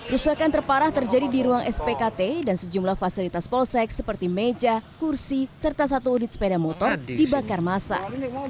rusakan terparah terjadi di ruang spkt dan sejumlah fasilitas polsek seperti meja kursi serta satu unit sepeda motor dibakar masa